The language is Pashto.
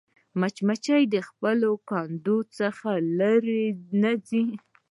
مچمچۍ د خپل کندو څخه لیرې نه ځي